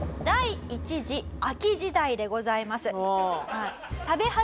第１次飽き時代でございます。